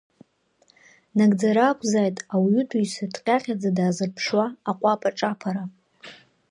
Нагӡара ақәзааит ауаҩытәыҩса дҟьаҟьаӡа даазырԥшуа аҟәаԥа-ҿаԥара!